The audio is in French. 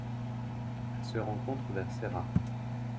Elle se rencontre vers Serra.